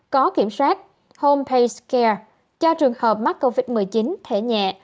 có kiểm soát homepacecare cho trường hợp mắc covid một mươi chín thể nhẹ